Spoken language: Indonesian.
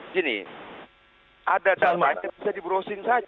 gini ada dan banyak yang bisa diberesin saja